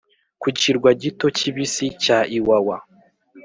ku kirwa gito kibisi cya iwawa,